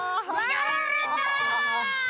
やられた。